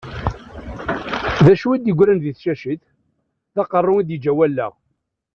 D acu i d-igran di tcacit? D aqerru yeǧǧa wallaɣ.